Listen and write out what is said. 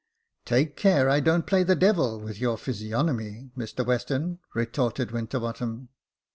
" Take care I don't play the devil with your Physiog nomy, Mr Western," retorted Winterbottom.